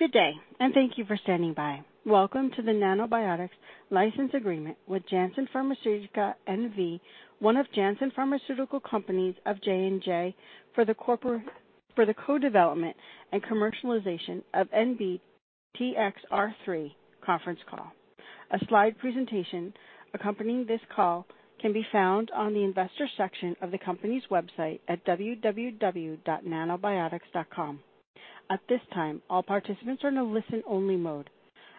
Good day, thank you for standing by. Welcome to the Nanobiotix license agreement with Janssen Pharmaceutica NV, one of Janssen pharmaceutical companies of J&J, for the co-development and commercialization of NBTXR3 conference call. A slide presentation accompanying this call can be found on the investor section of the company's website at www.nanobiotix.com. At this time, all participants are in a listen-only mode.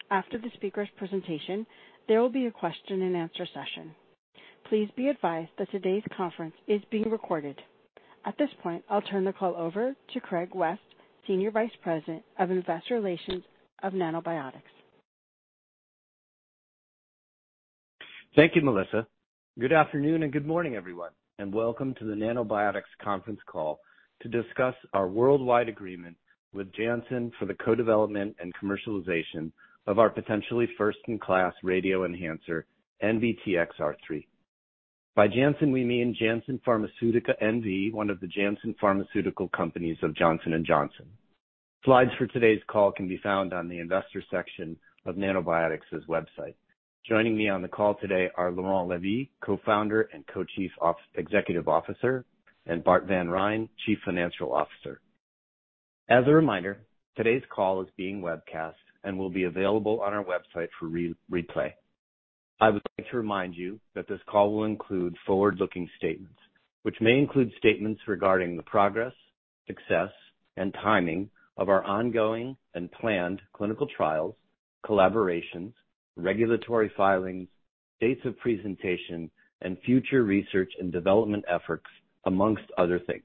After the speaker's presentation, there will be a question-and-answer session. Please be advised that today's conference is being recorded. At this point, I'll turn the call over to Craig West, Senior Vice President of Investor Relations of Nanobiotix. Thank you, Melissa. Good afternoon, and good morning, everyone, and welcome to the Nanobiotix conference call to discuss our worldwide agreement with Janssen for the co-development and commercialization of our potentially first-in-class radioenhancer, NBTXR3. By Janssen, we mean Janssen Pharmaceutica NV, one of the Janssen pharmaceutical companies of Johnson & Johnson. Slides for today's call can be found on the investor section of Nanobiotix's website. Joining me on the call today are Laurent Levy, Co-Founder and Co-Chief Executive Officer, and Bart Van Rhijn, Chief Financial Officer. As a reminder, today's call is being webcast and will be available on our website for re-replay. I would like to remind you that this call will include forward-looking statements, which may include statements regarding the progress, success, and timing of our ongoing and planned clinical trials, collaborations, regulatory filings, dates of presentation, and future research and development efforts, amongst other things.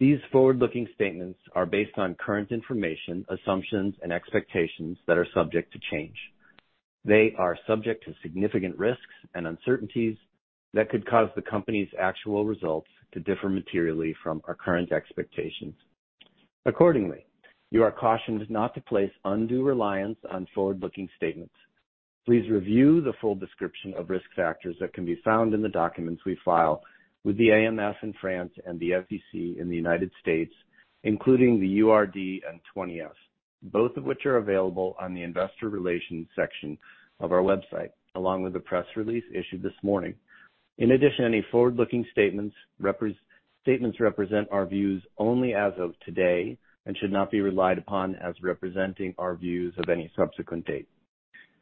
These forward-looking statements are based on current information, assumptions, and expectations that are subject to change. They are subject to significant risks and uncertainties that could cause the company's actual results to differ materially from our current expectations. Accordingly, you are cautioned not to place undue reliance on forward-looking statements. Please review the full description of risk factors that can be found in the documents we file with the AMF in France and the SEC in the United States, including the URD and 20-F, both of which are available on the investor relations section of our website, along with the press release issued this morning. Any forward-looking statements represent our views only as of today and should not be relied upon as representing our views of any subsequent date.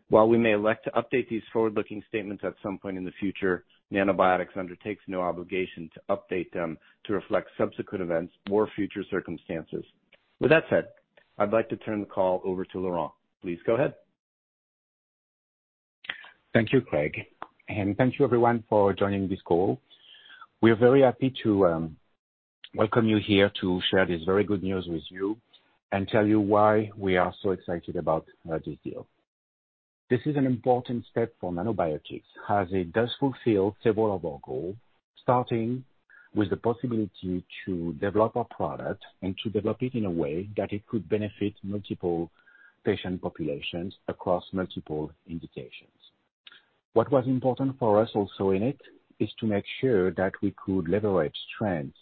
While we may elect to update these forward-looking statements at some point in the future, Nanobiotix undertakes no obligation to update them to reflect subsequent events or future circumstances. With that said, I'd like to turn the call over to Laurent. Please go ahead. Thank you, Craig, and thank you everyone for joining this call. We are very happy to welcome you here to share this very good news with you and tell you why we are so excited about this deal. This is an important step for Nanobiotix, as it does fulfill several of our goals, starting with the possibility to develop our product and to develop it in a way that it could benefit multiple patient populations across multiple indications. What was important for us also in it is to make sure that we could leverage strengths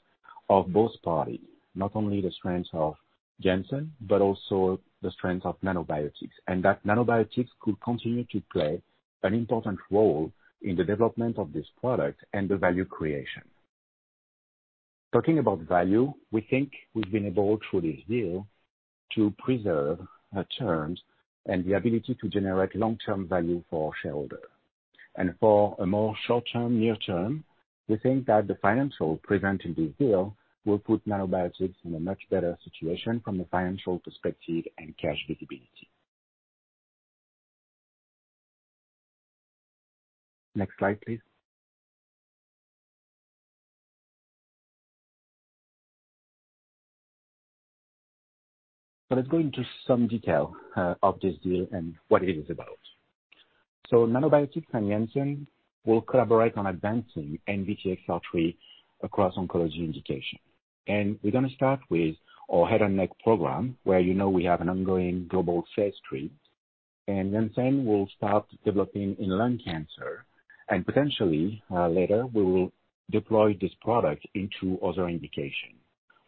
of both parties, not only the strength of Janssen, but also the strength of Nanobiotix, and that Nanobiotix could continue to play an important role in the development of this product and the value creation. Talking about value, we think we've been able, through this deal, to preserve terms and the ability to generate long-term value for shareholders. For a more short-term, near-term, we think that the financial present in this deal will put Nanobiotix in a much better situation from a financial perspective and cash visibility. Next slide, please. Let's go into some detail of this deal and what it is about. Nanobiotix and Janssen will collaborate on advancing NBTXR3 across oncology indication. We're going to start with our head and neck program, where you know we have an ongoing global phase III, and Janssen will start developing in lung cancer and potentially later we will deploy this product into other indication.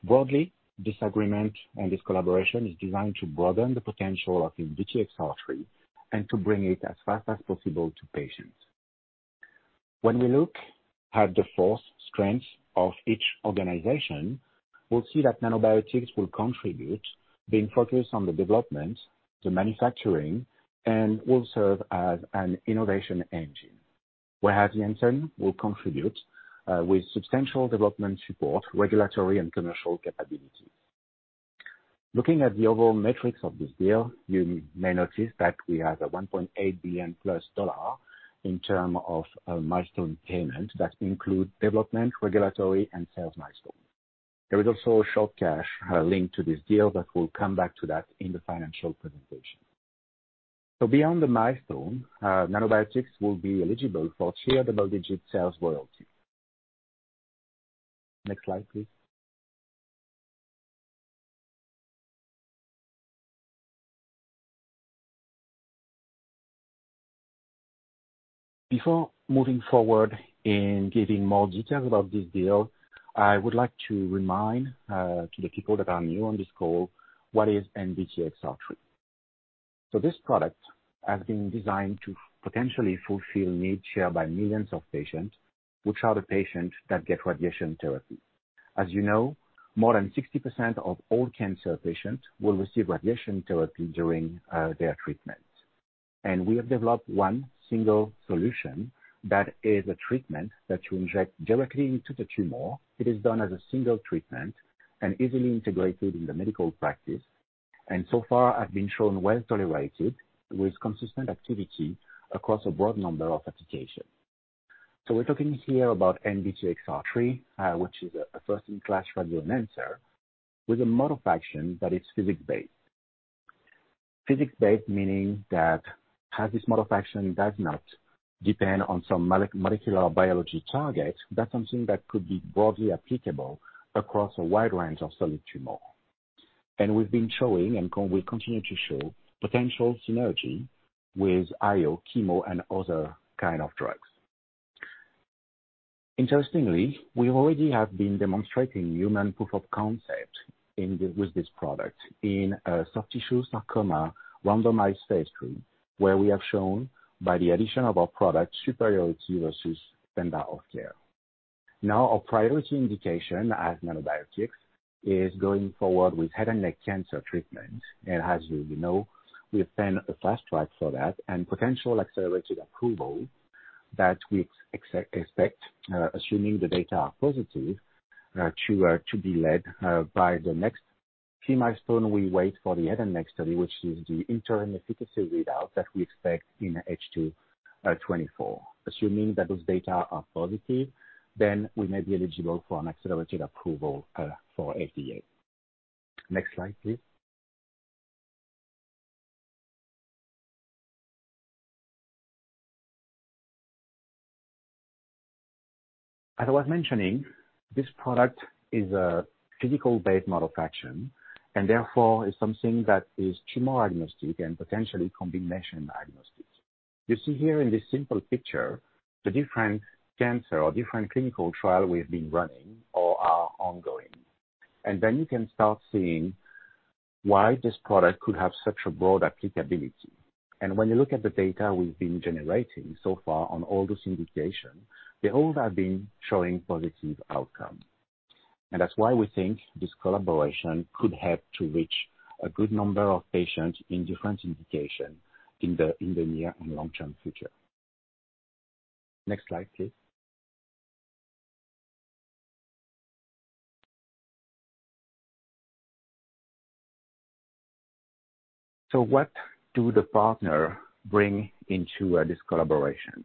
Broadly, this agreement and this collaboration is designed to broaden the potential of NBTXR3 and to bring it as fast as possible to patients. We look at the force strength of each organization, we'll see that Nanobiotix will contribute, being focused on the development, the manufacturing, and will serve as an innovation engine. Janssen will contribute with substantial development support, regulatory, and commercial capability. Looking at the overall metrics of this deal, you may notice that we have a $1.8+ billion in term of a milestone payment that include development, regulatory, and sales milestone. There is also a short cash linked to this deal, we'll come back to that in the financial presentation. Beyond the milestone, Nanobiotix will be eligible for tier double-digit sales royalty. Next slide, please. Before moving forward in giving more details about this deal, I would like to remind to the people that are new on this call, what is NBTXR3? This product has been designed to potentially fulfill needs shared by millions of patients, which are the patients that get radiation therapy. As you know, more than 60% of all cancer patients will receive radiation therapy during their treatment. We have developed one single solution that is a treatment that you inject directly into the tumor. It is done as a single treatment and easily integrated in the medical practice, and so far, have been shown well tolerated, with consistent activity across a broad number of applications. We're talking here about NBTXR3, which is a first-in-class radioenhancer, with a mode of action that is physics-based. Physics-based, meaning that as this mode of action does not depend on some molecular biology target, that's something that could be broadly applicable across a wide range of solid tumor. We've been showing, and we continue to show, potential synergy with IO, chemo, and other kind of drugs. Interestingly, we already have been demonstrating human proof of concept in the, with this product in soft tissue sarcoma randomized phase III, where we have shown by the addition of our product, superiority versus standard of care. Our priority indication as Nanobiotix is going forward with head and neck cancer treatment. As you know, we've been a fast track for that, and potential accelerated approval that we expect, assuming the data are positive, to be led by the next key milestone, we wait for the head and neck study, which is the interim efficacy readout that we expect in H2 2024. Assuming that those data are positive, we may be eligible for an accelerated approval for FDA. Next slide, please. As I was mentioning, this product is a physics-based mode of action, and therefore is something that is tumor-agnostic and potentially combination agnostic. You see here in this simple picture, the different cancer or different clinical trial we've been running or are ongoing. You can start seeing why this product could have such a broad applicability. When you look at the data we've been generating so far on all those indications, they all have been showing positive outcome. That's why we think this collaboration could help to reach a good number of patients in different indications in the near and long-term future. Next slide, please. What do the partner bring into this collaboration?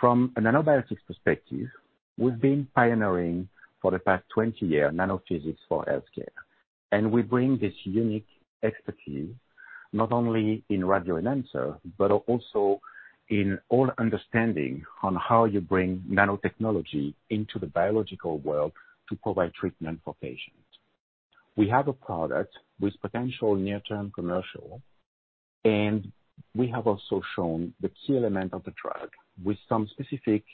From a Nanobiotix perspective, we've been pioneering for the past 20 years, nanophysics for healthcare. We bring this unique expertise not only in radioenhancer, but also in all understanding on how you bring nanotechnology into the biological world to provide treatment for patients. We have a product with potential near-term commercial. We have also shown the key element of the drug with some specific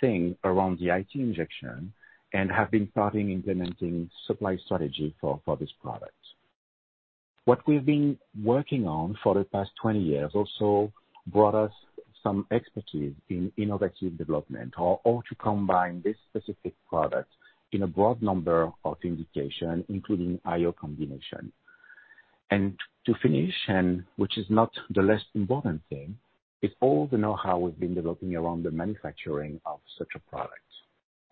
thing around the IT injection and have been starting implementing supply strategy for this product. What we've been working on for the past 20 years also brought us some expertise in innovative development, or to combine this specific product in a broad number of indication, including IO combination. To finish, and which is not the less important thing, is all the know-how we've been developing around the manufacturing of such a product.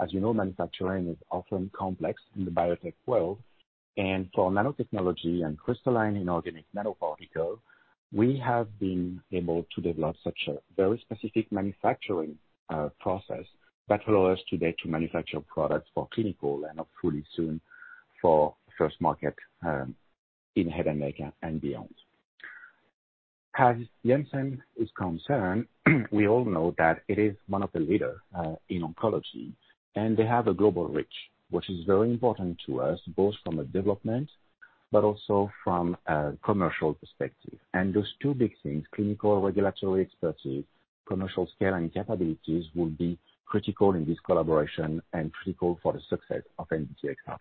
As you know, manufacturing is often complex in the biotech world, for nanotechnology and crystalline inorganic nanoparticles, we have been able to develop such a very specific manufacturing process that allow us today to manufacture products for clinical and hopefully soon for first market in head and neck and beyond. As Janssen is concerned, we all know that it is one of the leader in oncology, they have a global reach, which is very important to us, both from a development but also from a commercial perspective. Those two big things, clinical regulatory expertise, commercial scale and capabilities, will be critical in this collaboration and critical for the success of NBTXR3.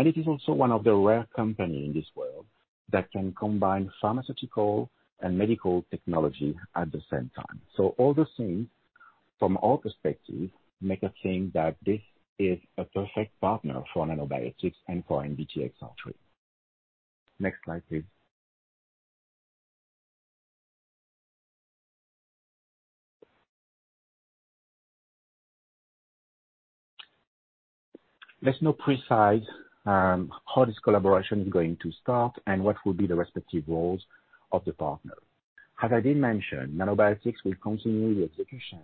It is also one of the rare company in this world that can combine pharmaceutical and medical technology at the same time. All the things from our perspective, make us think that this is a perfect partner for Nanobiotix and for NBTXR3. Next slide, please. There's no precise how this collaboration is going to start and what will be the respective roles of the partner. As I did mention, Nanobiotix will continue the execution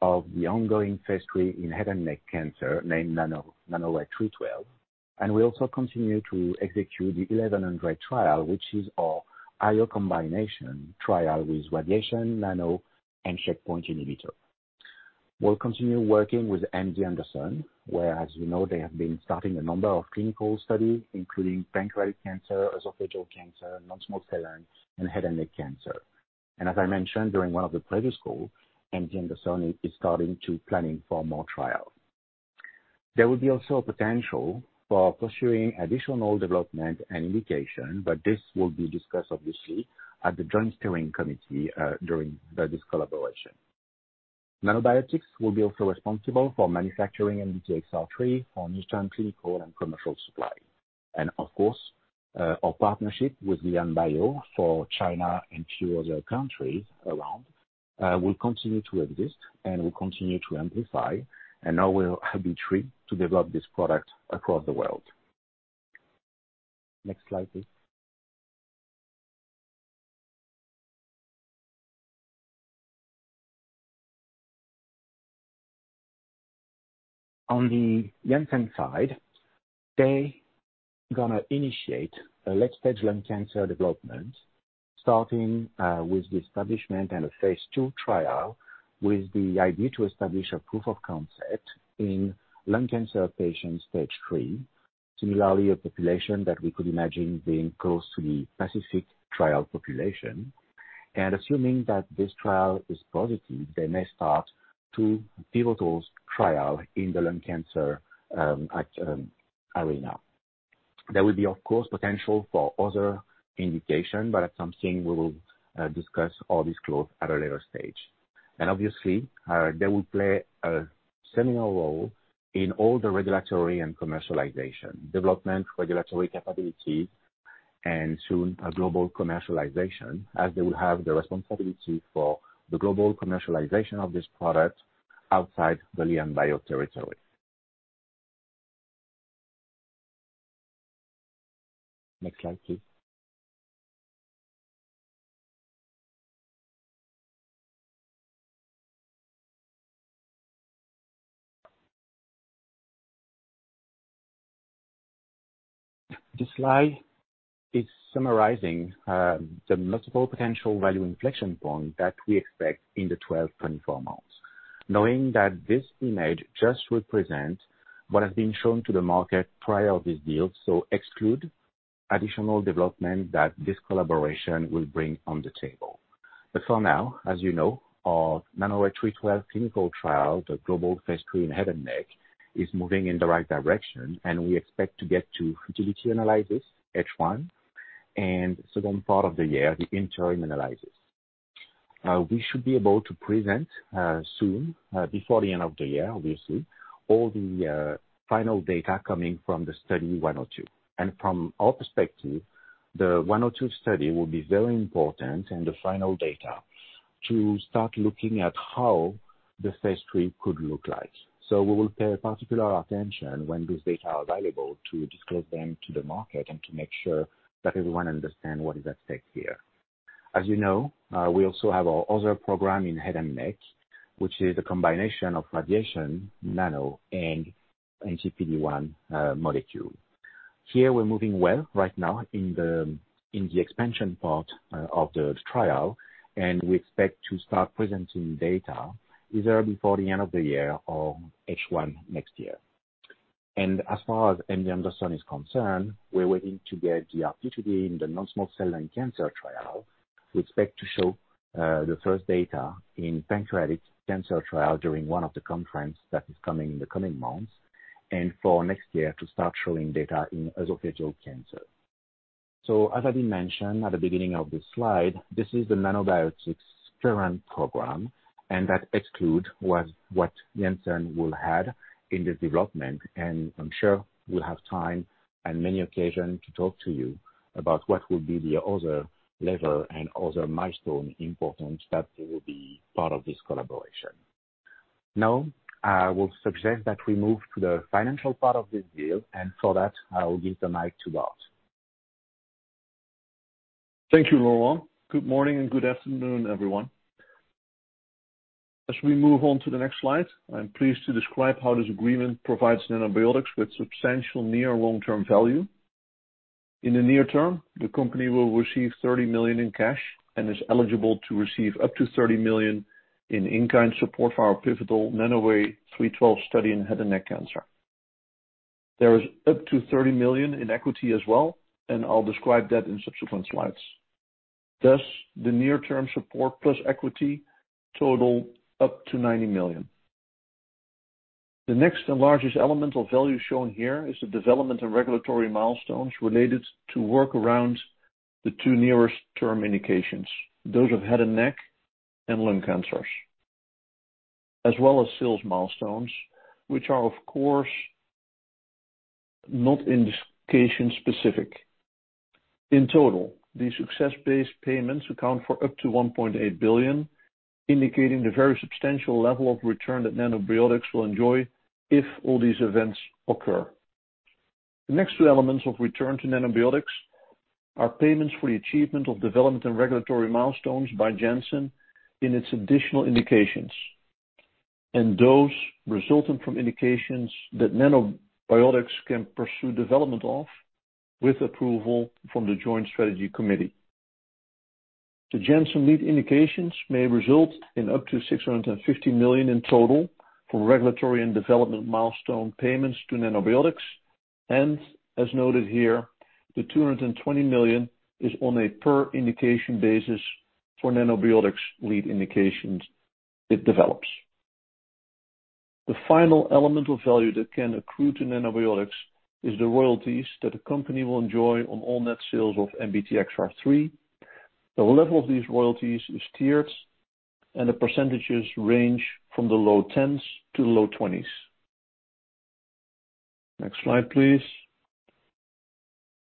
of the ongoing phase III in head and neck cancer, named NANORAY-312, and we also continue to execute the 1100 trial, which is our IO combination trial with radiation, nano, and checkpoint inhibitor. We'll continue working with MD Anderson, where, as you know, they have been starting a number of clinical studies, including pancreatic cancer, esophageal cancer, non-small cell, and head and neck cancer. As I mentioned during one of the previous calls, MD Anderson is starting to planning for more trials. There will be also a potential for pursuing additional development and indication, this will be discussed, obviously, at the Joint Steering Committee during this collaboration. Nanobiotix will be also responsible for manufacturing NBTXR3 for neutral clinical and commercial supply. Of course, our partnership with LianBio for China and few other countries around will continue to exist and will continue to amplify, and now we'll have the three to develop this product across the world. Next slide, please. On the Janssen side, they gonna initiate a late-stage lung cancer development, starting with the establishment and a phase II trial, with the idea to establish a proof of concept in lung cancer patients Stage III. Similarly, a population that we could imagine being close to the PACIFIC trial population. Assuming that this trial is positive, they may start two pivotal trials in the lung cancer arena. There will be, of course, potential for other indications, but that's something we will discuss or disclose at a later stage. Obviously, they will play a seminal role in all the regulatory and commercialization, development, regulatory capability, and soon a global commercialization, as they will have the responsibility for the global commercialization of this product outside the LianBio territory. Next slide, please. This slide is summarizing the multiple potential value inflection points that we expect in the 12-24 months. Knowing that this image just represents what has been shown to the market prior this deal, so exclude additional development that this collaboration will bring on the table. For now, as you know, our NANORAY-312 clinical trial, the global phase II in head and neck, is moving in the right direction. We expect to get to futility analysis H1, second part of the year, the interim analysis. We should be able to present soon before the end of the year, obviously, all the final data coming from the Study 1100. From our perspective, the Study 1100 will be very important in the final data to start looking at how the phase III could look like. We will pay particular attention when this data are available, to disclose them to the market and to make sure that everyone understand what is at stake here. As you know, we also have our other program in head and neck, which is a combination of radiation, nano, and anti-PD-1 molecule. Here, we're moving well right now in the, in the expansion part of the trial, and we expect to start presenting data either before the end of the year or H1 next year. As far as MD Anderson is concerned, we're waiting to get the RP2D in the non-small cell lung cancer trial. We expect to show the first data in pancreatic cancer trial during one of the conference that is coming in the coming months, and for next year, to start showing data in esophageal cancer. As I mentioned at the beginning of this slide, this is the Nanobiotix current program, and that exclude what Janssen will add in the development. I'm sure we'll have time and many occasions to talk to you about what will be the other level and other milestone important that will be part of this collaboration. I will suggest that we move to the financial part of this deal, and for that, I will give the mic to Bart. Thank you, Laurent. Good morning and good afternoon, everyone. As we move on to the next slide, I'm pleased to describe how this agreement provides Nanobiotix with substantial near long-term value. In the near term, the company will receive $30 million in cash and is eligible to receive up to $30 million in in-kind support for our pivotal NANORAY-312 study in head and neck cancer. There is up to $30 million in equity as well. I'll describe that in subsequent slides. Thus, the near term support plus equity total up to $90 million. The next and largest element of value shown here is the development and regulatory milestones related to work around the two nearest term indications, those of head and neck and lung cancers, as well as sales milestones, which are, of course, not indication specific. In total, the success-based payments account for up to $1.8 billion, indicating the very substantial level of return that Nanobiotix will enjoy if all these events occur. The next two elements of return to Nanobiotix are payments for the achievement of development and regulatory milestones by Janssen in its additional indications, and those resulting from indications that Nanobiotix can pursue development of with approval from the Joint Strategy Committee. The Janssen lead indications may result in up to $650 million in total for regulatory and development milestone payments to Nanobiotix. As noted here, the $220 million is on a per indication basis for Nanobiotix lead indications it develops. The final element of value that can accrue to Nanobiotix is the royalties that a company will enjoy on all net sales of NBTXR3. The level of these royalties is tiered, and the percentages range from the low 10s to the low 20s. Next slide, please.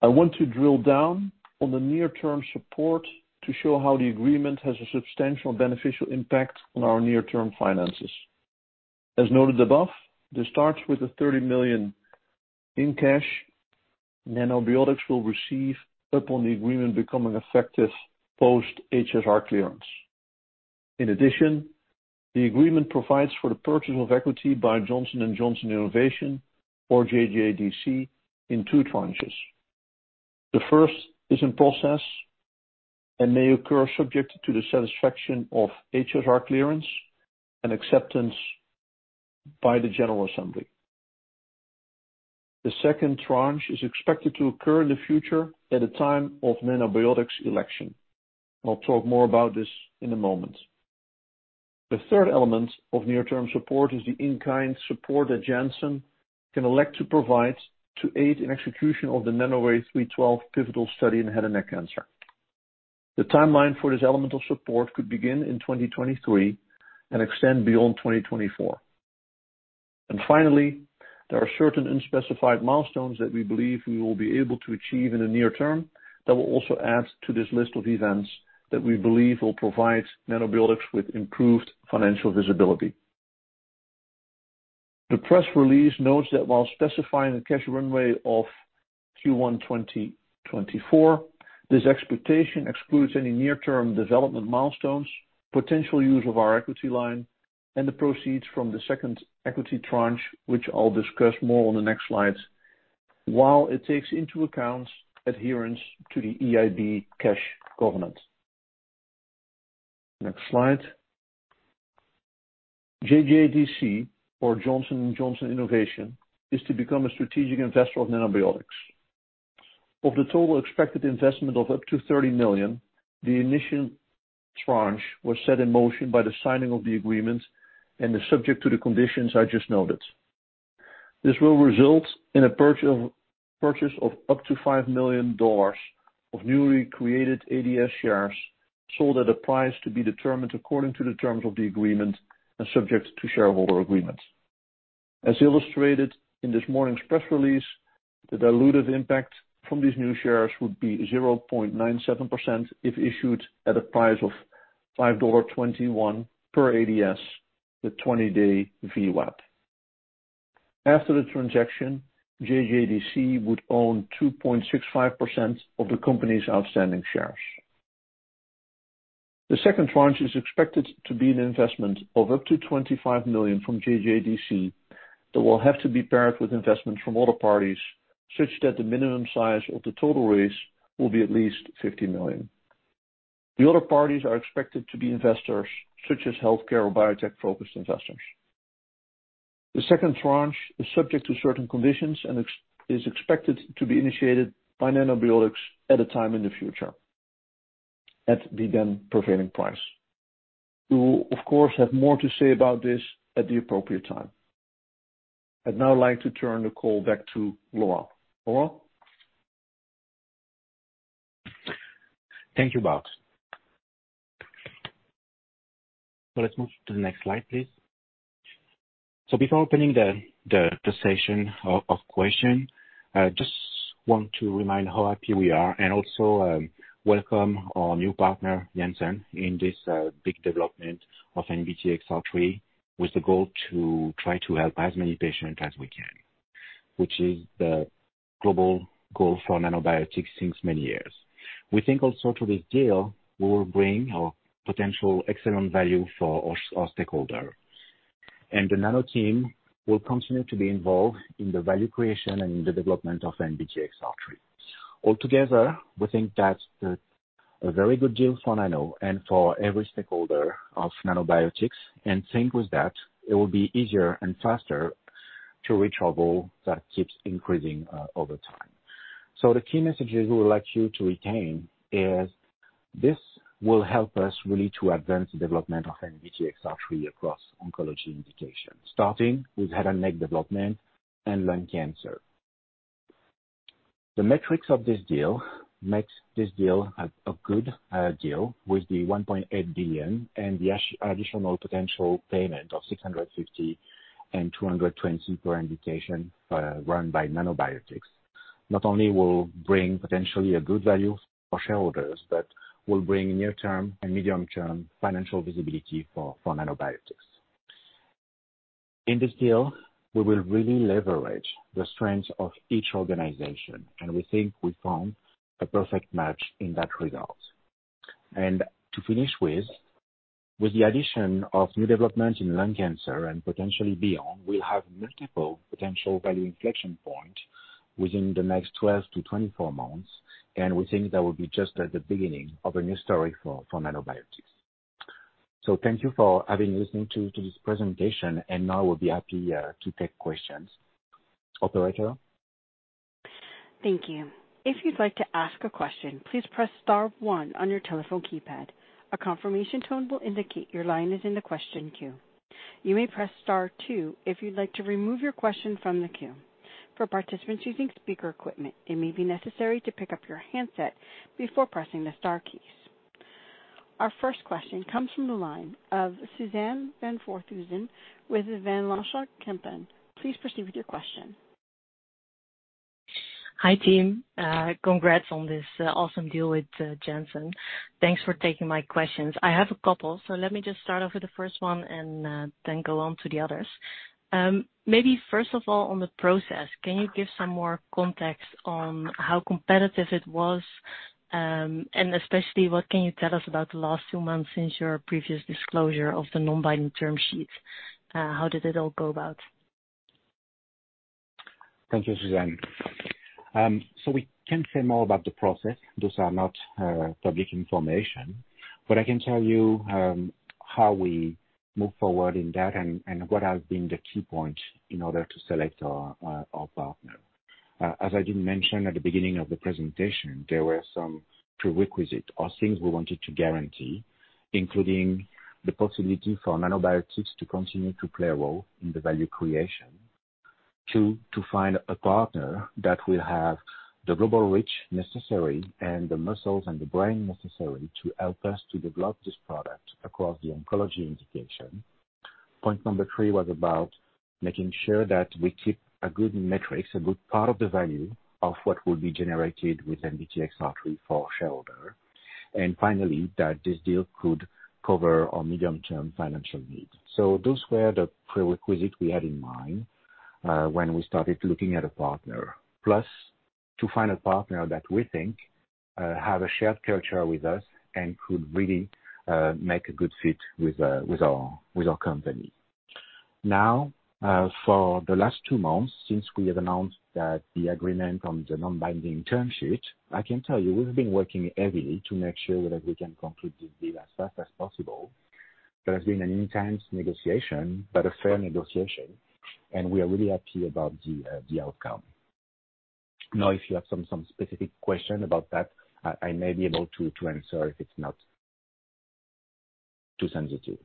I want to drill down on the near-term support to show how the agreement has a substantial beneficial impact on our near-term finances. As noted above, this starts with the $30 million in cash Nanobiotix will receive upon the agreement becoming effective post HSR clearance. The agreement provides for the purchase of equity by Johnson & Johnson Innovation, or JJDC, in two tranches. The first is in process and may occur subject to the satisfaction of HSR clearance and acceptance by the general assembly. The second tranche is expected to occur in the future at a time of Nanobiotix' election. I'll talk more about this in a moment. The third element of near-term support is the in-kind support that Janssen can elect to provide to aid in execution of the NANORAY-312 pivotal study in head and neck cancer. The timeline for this element of support could begin in 2023 and extend beyond 2024. Finally, there are certain unspecified milestones that we believe we will be able to achieve in the near term that will also add to this list of events that we believe will provide Nanobiotix with improved financial visibility. The press release notes that while specifying the cash runway of Q1 2024, this expectation excludes any near-term development milestones, potential use of our equity line, and the proceeds from the second equity tranche, which I'll discuss more on the next slide, while it takes into account adherence to the EIB cash covenant. Next slide. JJDC, or Johnson & Johnson Innovation, is to become a strategic investor of Nanobiotix. Of the total expected investment of up to $30 million, the initial tranche was set in motion by the signing of the agreement and is subject to the conditions I just noted. This will result in a purchase of up to $5 million of newly created ADS shares, sold at a price to be determined according to the terms of the agreement and subject to shareholder agreements. As illustrated in this morning's press release, the dilutive impact from these new shares would be 0.97% if issued at a price of $5.21 per ADS, the 20-day VWAP. After the transaction, JJDC would own 2.65% of the company's outstanding shares. The second tranche is expected to be an investment of up to $25 million from JJDC, that will have to be paired with investments from other parties, such that the minimum size of the total raise will be at least $50 million. The other parties are expected to be investors, such as healthcare or biotech-focused investors. The second tranche is subject to certain conditions is expected to be initiated by Nanobiotix at a time in the future, at the then prevailing price. We will, of course, have more to say about this at the appropriate time. I'd now like to turn the call back to Laurent. Laurent? Thank you, Bart. Let's move to the next slide, please. Before opening the session of question, I just want to remind how happy we are and also welcome our new partner, Janssen, in this big development of NBTXR3, with the goal to try to help as many patients as we can, which is the global goal for Nanobiotix since many years. We think also to this deal, we will bring our potential excellent value for our stakeholder. The Nano team will continue to be involved in the value creation and in the development of NBTXR3. Altogether, we think that's a very good deal for Nano and for every stakeholder of Nanobiotix, and think with that, it will be easier and faster to reach our goal that keeps increasing over time. The key messages we would like you to retain is, this will help us really to advance the development of NBTXR3 across oncology indications, starting with head and neck development and lung cancer. The metrics of this deal makes this deal a good deal with the $1.8 billion and the additional potential payment of $650 million and $220 million per indication run by Nanobiotix. Not only will bring potentially a good value for shareholders, but will bring near-term and medium-term financial visibility for Nanobiotix. In this deal, we will really leverage the strength of each organization, and we think we found a perfect match in that result. To finish with. With the addition of new development in lung cancer and potentially beyond, we'll have multiple potential value inflection point within the next 12-24 months, and we think that will be just at the beginning of a new story for Nanobiotix. Thank you for having listened to this presentation, and now we'll be happy to take questions. Operator? Thank you. If you'd like to ask a question, please press star one on your telephone keypad. A confirmation tone will indicate your line is in the question queue. You may press star two if you'd like to remove your question from the queue. For participants using speaker equipment, it may be necessary to pick up your handset before pressing the star keys. Our first question comes from the line of Suzanne van Voorthuizen with Van Lanschot Kempen. Please proceed with your question. Hi, team. Congrats on this awesome deal with Janssen. Thanks for taking my questions. I have a couple, so let me just start off with the first one and then go on to the others. Maybe first of all, on the process, can you give some more context on how competitive it was? Especially, what can you tell us about the last two months since your previous disclosure of the non-binding term sheets? How did it all go about? Thank you, Suzanne. We can't say more about the process. Those are not public information. I can tell you how we moved forward in that and what have been the key points in order to select our partner. As I did mention at the beginning of the presentation, there were some prerequisites or things we wanted to guarantee, including the possibility for Nanobiotix to continue to play a role in the value creation. Two, to find a partner that will have the global reach necessary and the muscles and the brain necessary to help us to develop this product across the oncology indication. Point number three was about making sure that we keep a good metrics, a good part of the value of what will be generated with NBT-XR3 for shareholder. Finally, that this deal could cover our medium-term financial needs. Those were the prerequisites we had in mind, when we started looking at a partner. To find a partner that we think, have a shared culture with us and could really, make a good fit with our company. For the last two months, since we have announced that the agreement on the non-binding term sheet, I can tell you, we've been working heavily to make sure that we can conclude this deal as fast as possible. There has been an intense negotiation, but a fair negotiation, and we are really happy about the outcome. If you have some specific question about that, I may be able to answer if it's not too sensitive.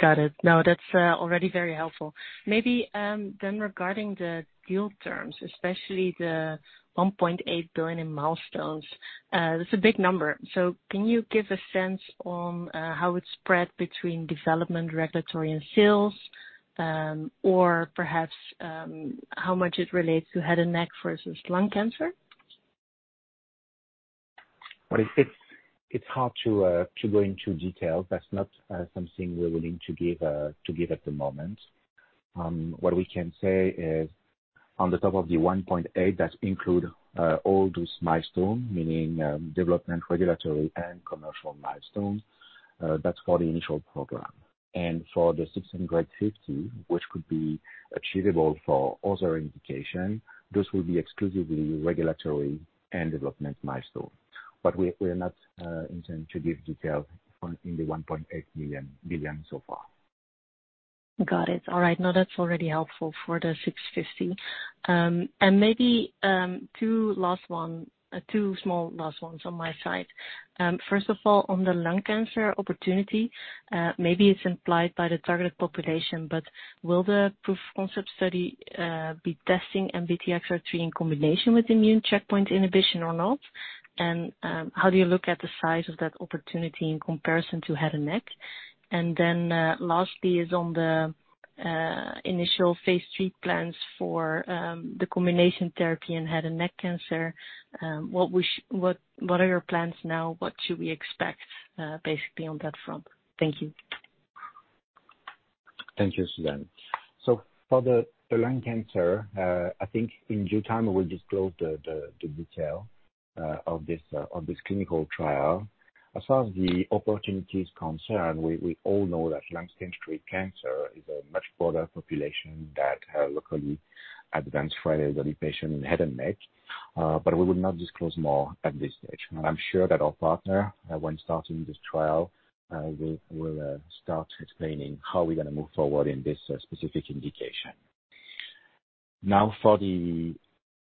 Got it. No, that's already very helpful. Maybe, then regarding the deal terms, especially the $1.8 billion in milestones, that's a big number. Can you give a sense on how it's spread between development, regulatory, and sales, or perhaps, how much it relates to head and neck versus lung cancer? Well, it's hard to go into detail. That's not something we're willing to give at the moment. What we can say is on the top of the $1.8 billion, that include all those milestones, meaning development, regulatory, and commercial milestones. That's for the initial program. For the $650 million, which could be achievable for other indication, this will be exclusively regulatory and development milestone. We are not intent to give detail on, in the $1.8 million, billion so far. Got it. All right. No, that's already helpful for the $650 million. Maybe, two last one, two small last ones on my side. First of all, on the lung cancer opportunity, maybe it's implied by the target population, but will the proof concept study be testing NBTXR3 in combination with immune checkpoint inhibition or not? How do you look at the size of that opportunity in comparison to head and neck? Lastly is on the initial phase III plans for the combination therapy in head and neck cancer. What are your plans now? What should we expect, basically on that front? Thank you. Thank you, Suzanne. For the lung cancer, I think in due time, we'll disclose the detail of this clinical trial. As far as the opportunity is concerned, we all know that lung cancer is a much broader population that locally advanced frail elderly patient in head and neck, but we will not disclose more at this stage. I'm sure that our partner, when starting this trial, will start explaining how we're gonna move forward in this specific indication. For the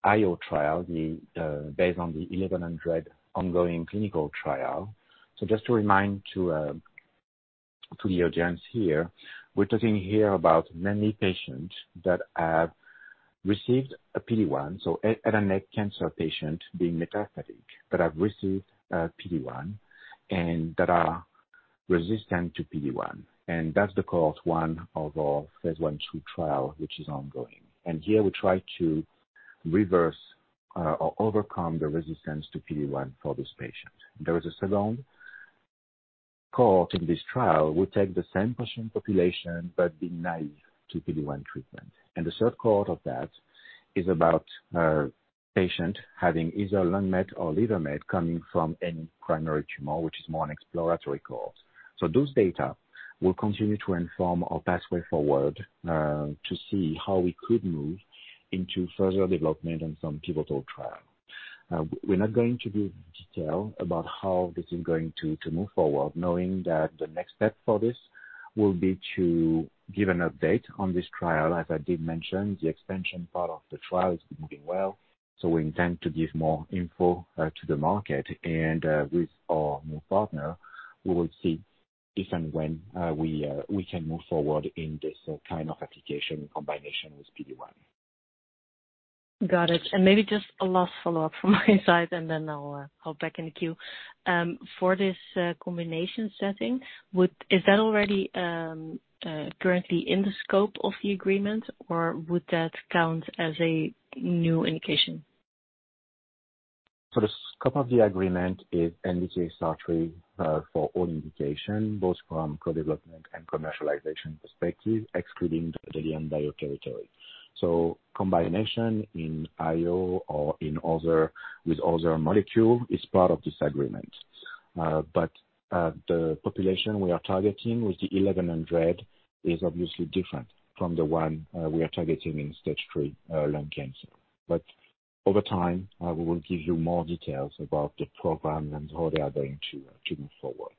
IO trial, based on the 1100 ongoing clinical trial, just to remind to the audience here, we're talking here about many patients that have received a PD-1, a neck cancer patient being metastatic, but have received a PD-1 and that are resistant to PD-1, and that's the cohort 1 of our phase I trial, which is ongoing. Here we try to reverse or overcome the resistance to PD-1 for this patient. There is a second cohort in this trial. We take the same patient population, be naive to PD-1 treatment. The third cohort of that is about patient having either lung met or liver met coming from any primary tumor, which is more an exploratory course. Those data will continue to inform our pathway forward, to see how we could move into further development and some pivotal trial. We're not going to give detail about how this is going to move forward, knowing that the next step for this will be to give an update on this trial. I did mention, the expansion part of the trial is moving well, so we intend to give more info, to the market and, with our new partner, we will see if and when, we can move forward in this kind of application in combination with PD-1. Got it. Maybe just a last follow-up from my side, and then I'll hop back in the queue. For this combination setting, is that already currently in the scope of the agreement, or would that count as a new indication? The scope of the agreement is NBTXR3 for all indication, both from co-development and commercialization perspective, excluding the LianBio territory. Combination in IO or in other, with other molecule, is part of this agreement. The population we are targeting with the 1100 is obviously different from the one we are targeting in stage three lung cancer. Over time, we will give you more details about the program and how they are going to move forward.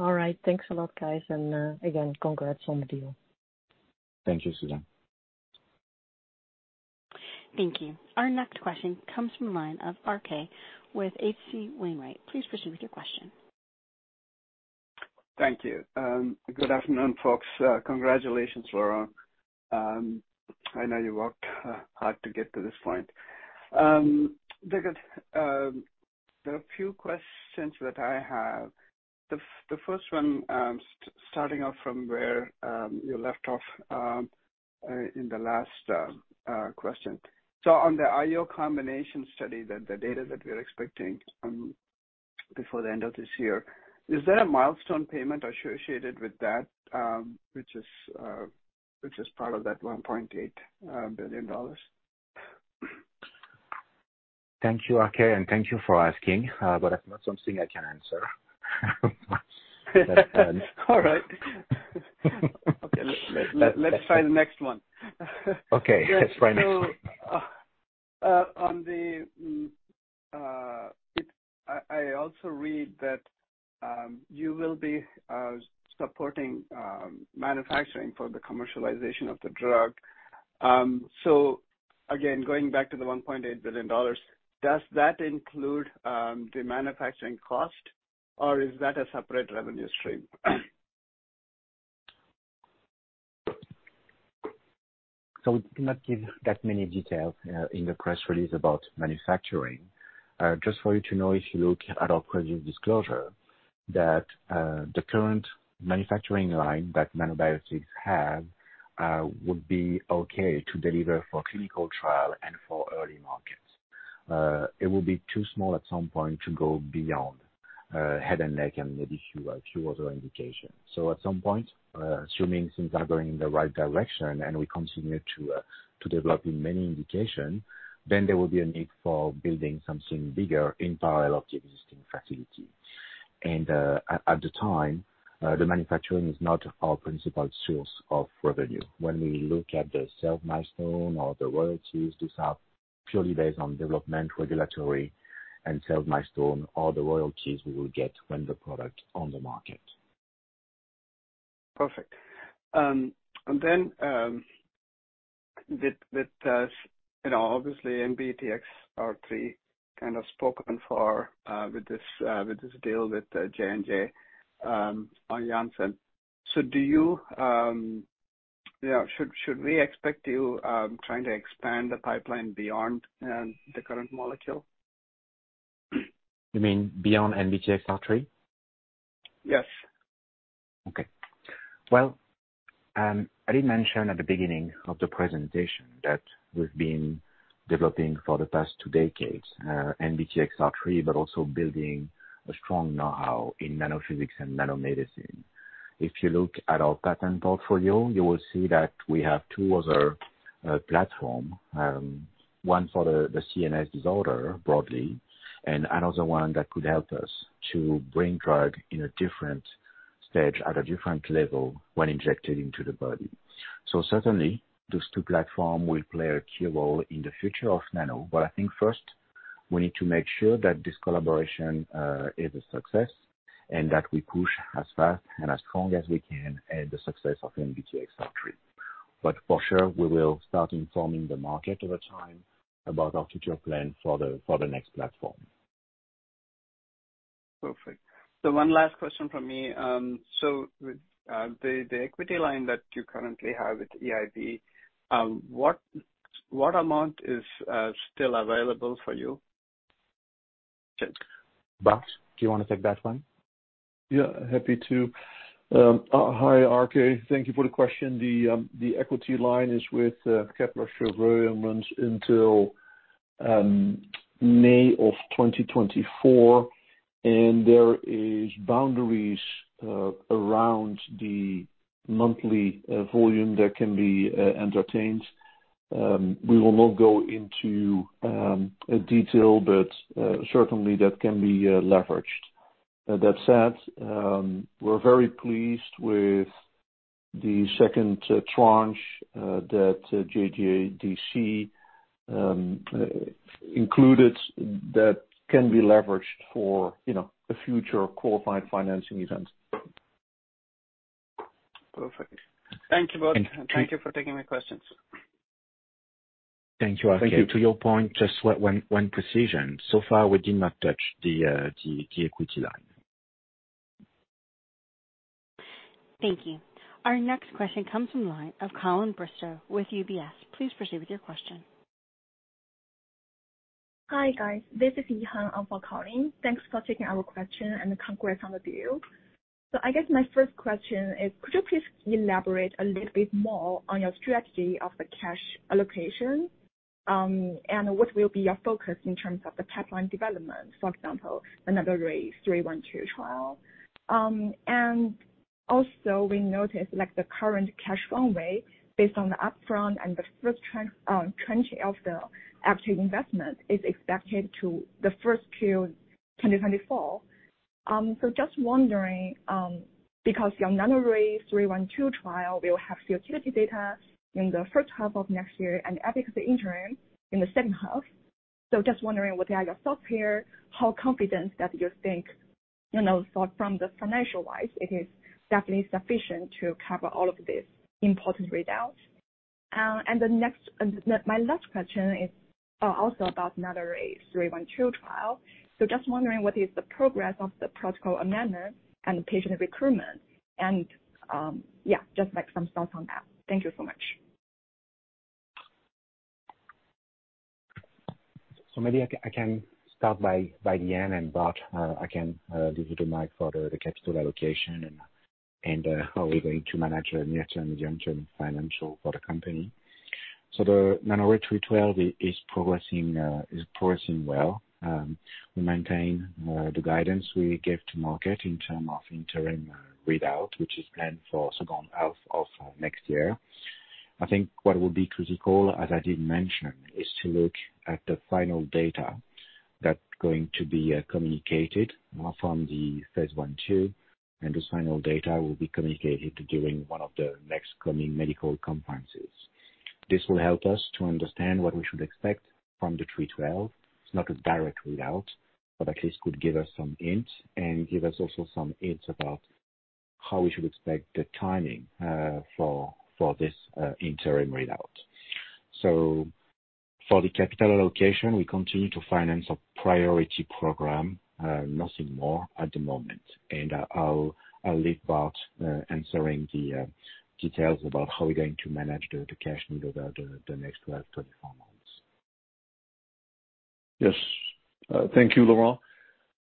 All right. Thanks a lot, guys, and again, congrats on the deal. Thank you, Suzanne. Thank you. Our next question comes from the line of RK with H.C. Wainwright. Please proceed with your question. Thank you. Good afternoon, folks. Congratulations, Laurent. I know you worked hard to get to this point. There are a few questions that I have. The first one, starting off from where you left off in the last question. On the IO combination study, the data that we're expecting before the end of this year, is there a milestone payment associated with that, which is part of that $1.8 billion? Thank you, RK, and thank you for asking, but that's not something I can answer. All right. Okay, let's try the next one. Okay. Let's try next one. I also read that you will be supporting manufacturing for the commercialization of the drug. So again, going back to the $1.8 billion, does that include the manufacturing cost, or is that a separate revenue stream? We cannot give that many details in the press release about manufacturing. Just for you to know, if you look at our previous disclosure, the current manufacturing line that Nanobiotix have would be okay to deliver for clinical trial and for early markets. It will be too small at some point to go beyond head and neck and maybe a few other indications. At some point, assuming things are going in the right direction and we continue to develop in many indications, there will be a need for building something bigger in parallel to existing facility. At the time, the manufacturing is not our principal source of revenue. When we look at the sales milestone or the royalties, these are purely based on development, regulatory, and sales milestone, or the royalties we will get when the product on the market. Perfect. Then, with, you know, obviously, NBTXR3 kind of spoken for, with this deal with J&J, on Janssen. Do you, yeah, should we expect you, trying to expand the pipeline beyond, the current molecule? You mean beyond NBTXR3? Yes. Well, I did mention at the beginning of the presentation that we've been developing for the past two decades, NBTXR3, but also building a strong know-how in nanophysics and nanomedicine. If you look at our patent portfolio, you will see that we have two other platform. One for the CNS disorder broadly, and another one that could help us to bring drug in a different stage, at a different level, when injected into the body. Certainly, those two platform will play a key role in the future of Nanobiotix. I think first, we need to make sure that this collaboration is a success, and that we push as fast and as strong as we can, and the success of NBTXR3. For sure, we will start informing the market over time about our future plan for the next platform. Perfect. One last question from me. With the equity line that you currently have with EIB, what amount is still available for you? Bart, do you want to take that one? Yeah, happy to. Hi, RK. Thank you for the question. The equity line is with Kepler Cheuvreux runs until May of 2024, and there is boundaries around the monthly volume that can be entertained. We will not go into detail, but certainly that can be leveraged. That said, we're very pleased with the second tranche that JJDC included, that can be leveraged for, you know, a future qualified financing event. Perfect. Thank you, Bart, and thank you for taking my questions. Thank you, RK. To your point, just one precision. Far, we did not touch the equity line. Thank you. Our next question comes from the line of Colin Bristow with UBS. Please proceed with your question. Hi, guys. This is Yihan from Colin. Thanks for taking our question, and congrats on the view. I guess my first question is, could you please elaborate a little bit more on your strategy of the cash allocation, and what will be your focus in terms of the pipeline development, for example, the NANORAY-312 trial? Also we noticed, like, the current cash runway based on the upfront and the first tranche of the actual investment is expected to the first period, 2024. Just wondering, because your NANORAY-312 trial will have futility data in the first half of next year and I think the Interim in the second half. Just wondering what are your thoughts here, how confident that you think, you know, from the financial-wise, it is definitely sufficient to cover all of this important readout? The next, my last question is also about NANORAY-312 trial. Just wondering what is the progress of the protocol amendment and the patient recruitment and just like some thoughts on that? Thank you so much. Maybe I can start by the end, and Bart, I can give you the mic for the capital allocation and how we're going to manage the near-term and medium-term financial for the company. The NANORAY-312 is progressing, is progressing well. We maintain the guidance we gave to market in term of interim readout, which is planned for second half of next year. I think what will be critical, as I did mention, is to look at the final data that's going to be communicated more from the phase I/II, and this final data will be communicated during one of the next coming medical conferences. This will help us to understand what we should expect from the 312. It's not a direct readout, at least could give us some hint and give us also some hints about how we should expect the timing for this interim readout. For the capital allocation, we continue to finance a priority program, nothing more at the moment. I'll leave Bart answering the details about how we're going to manage the cash need over the next 12, 24 months. Yes. Thank you, Laurent.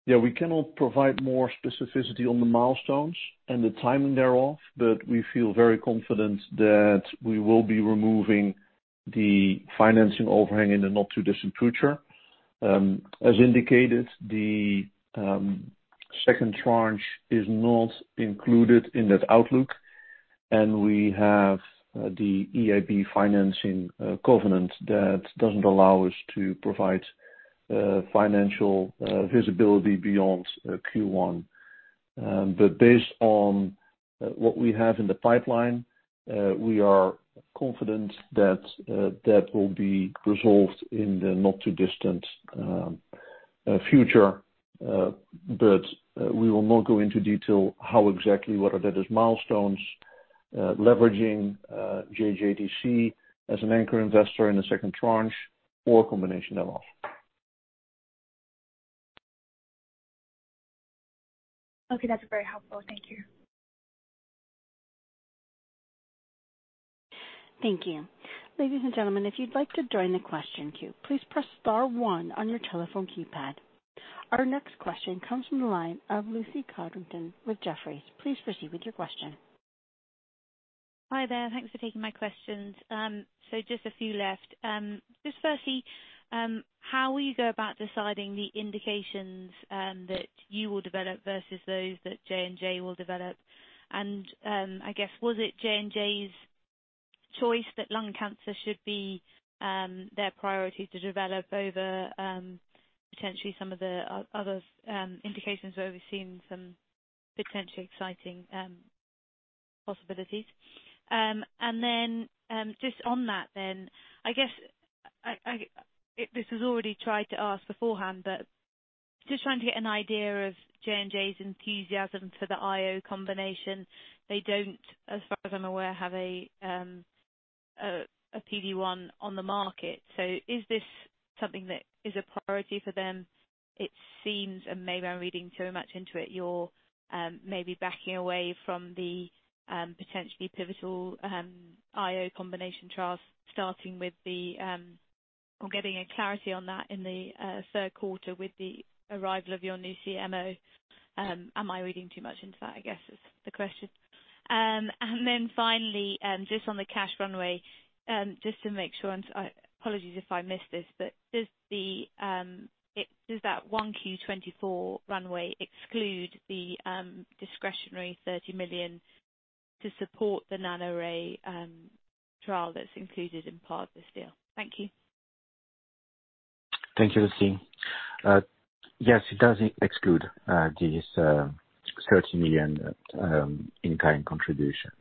Yeah, we cannot provide more specificity on the milestones and the timing thereof, but we feel very confident that we will be removing the financing overhang in the not-too-distant future. As indicated, the second tranche is not included in that outlook, and we have the EIB financing covenant that doesn't allow us to provide financial visibility beyond Q1. Based on what we have in the pipeline, we are confident that that will be resolved in the not-too-distant future. We will not go into detail how exactly, whether that is milestones, leveraging JJDC as an anchor investor in the second tranche or combination thereof. Okay. That's very helpful. Thank you. Thank you. Ladies and gentlemen, if you'd like to join the question queue, please press star one on your telephone keypad. Our next question comes from the line of Lucy Codrington with Jefferies. Please proceed with your question. Hi, there. Thanks for taking my questions. Just a few left. Just firstly, how will you go about deciding the indications that you will develop versus those that J&J will develop? I guess, was it J&J's choice that lung cancer should be their priority to develop over potentially some of the other indications where we've seen some potentially exciting possibilities? Just on that then, I guess, I this was already tried to ask beforehand, but just trying to get an idea of J&J's enthusiasm for the IO combination. They don't, as far as I'm aware, have a PD-1 on the market, so is this something that is a priority for them? It seems, and maybe I'm reading too much into it, you're maybe backing away from the potentially pivotal IO combination trials, starting with the or getting a clarity on that in the third quarter with the arrival of your new CMO. Am I reading too much into that? I guess is the question. Finally, just on the cash runway, just to make sure, and I apologies if I missed this, but does that 1Q 2024 runway exclude the discretionary $30 million to support the NANORAY-312 trial that's included in part of this deal? Thank you. Thank you, Lucy. Yes, it does exclude this $30 million in-kind contribution.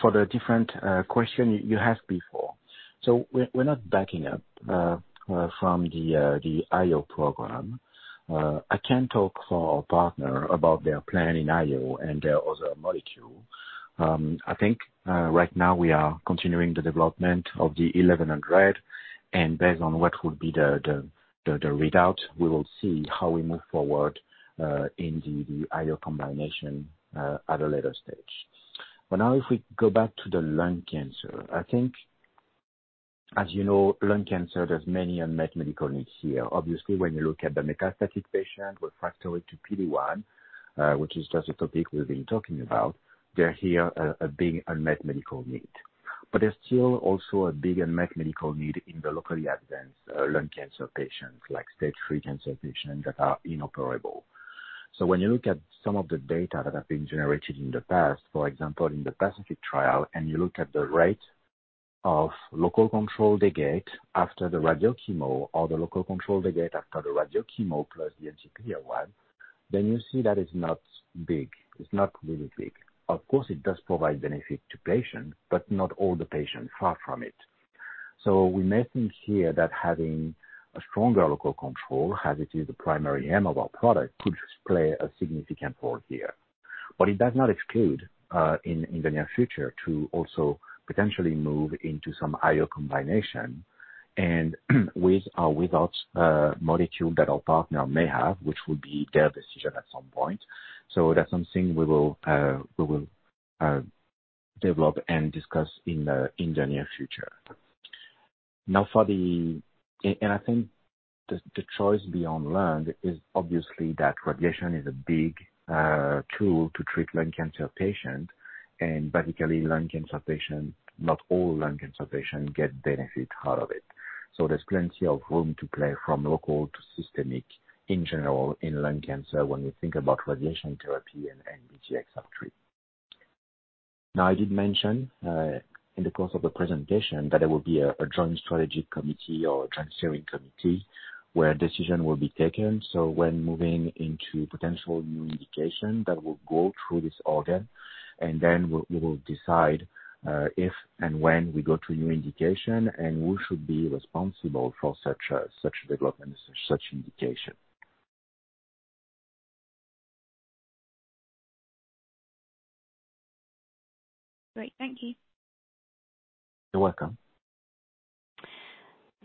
For the different question you asked before. We're not backing up from the IO program. I can't talk for our partner about their plan in IO and their other molecule. I think right now we are continuing the development of the 1100, and based on what would be the readout, we will see how we move forward in the IO combination at a later stage. Now if we go back to the lung cancer, I think as you know, lung cancer, there's many unmet medical needs here. When you look at the metastatic patient, refractory to PD-1, which is just a topic we've been talking about, they're here a big unmet medical need. There's still also a big unmet medical need in the locally advanced lung cancer patients, like stage three cancer patients that are inoperable. When you look at some of the data that have been generated in the past, for example, in the PACIFIC trial, and you look at the rate of local control they get after the radio/chemo, or the local control they get after the radio/chemo plus the anti-PD-1, you see that it's not big. It's not really big. It does provide benefit to patients, but not all the patients, far from it. We may think here that having a stronger local control, as it is the primary aim of our product, could play a significant role here. It does not exclude, in the near future, to also potentially move into some IO combination and with or without a molecule that our partner may have, which will be their decision at some point. That's something we will develop and discuss in the, in the near future. I think the choice beyond lung is obviously that radiation is a big tool to treat lung cancer patients, and basically lung cancer patients, not all lung cancer patients get benefit out of it. There's plenty of room to play from local to systemic in general, in lung cancer when we think about radiation therapy and NBTXR3. I did mention in the course of the presentation that there will be a Joint Strategy Committee or Steering Committee, where decision will be taken. When moving into potential new indication, that will go through this organ, and then we will decide if and when we go to a new indication, and who should be responsible for such development, such indication. Great. Thank you. You're welcome.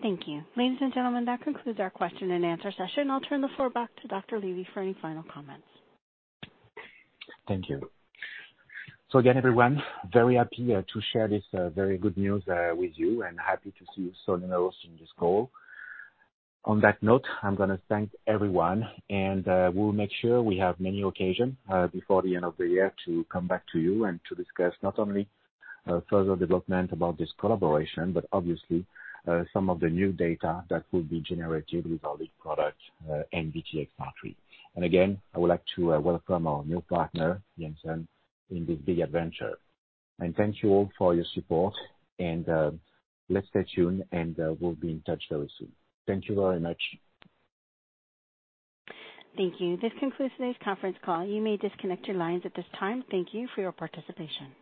Thank you. Ladies and gentlemen, that concludes our question and answer session. I'll turn the floor back to Dr. Levy for any final comments. Thank you. Again, everyone, very happy to share this very good news with you, and happy to see you so numerous in this call. On that note, I'm gonna thank everyone, and we'll make sure we have many occasion before the end of the year to come back to you and to discuss not only further development about this collaboration, but obviously, some of the new data that will be generated with our lead product, NBTX103. Again, I would like to welcome our new partner, Janssen, in this big adventure. Thank you all for your support and let's stay tuned, and we'll be in touch very soon. Thank you very much. Thank you. This concludes today's conference call. You may disconnect your lines at this time. Thank you for your participation.